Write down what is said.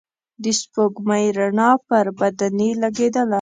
د سپوږمۍ رڼا پر بدنې لګېدله.